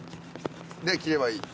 で切ればいい。